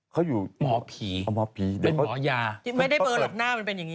เขาอยู่หมอผีหมอผีเป็นหมอยาไม่ได้เบอร์หรอกหน้ามันเป็นอย่างนี้